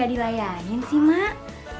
gak dilayangin sih mak